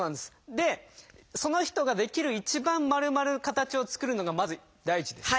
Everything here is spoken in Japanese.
でその人ができる一番丸まる形を作るのがまず第一です。